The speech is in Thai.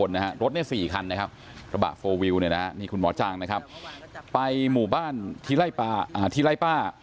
หรืออีกคันนึงก็ช่วยดูกันอยู่ว่าจะผ่านหรือเปล่า